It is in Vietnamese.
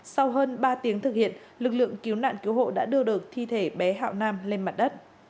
sau hơn ba tiếng thực hiện lực lượng cứu nạn cứu hộ đã đưa được thi thể bé hạo nam lên mặt đất